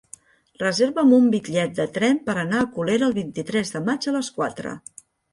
Reserva'm un bitllet de tren per anar a Colera el vint-i-tres de maig a les quatre.